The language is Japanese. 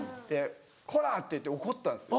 「こら！」って言って怒ったんですよ。